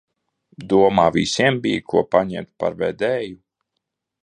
Domā, visiem bija, ko paņemt par vedēju?